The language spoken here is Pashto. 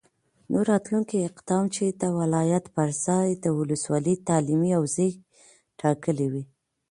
نو راتلونکی اقدام چې د ولایت پرځای د ولسوالي تعلیمي حوزې ټاکل وي،